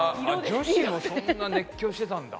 女子もそんな熱狂してたんだ。